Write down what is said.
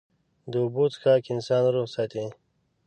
د اوبو څښاک انسان روغ ساتي.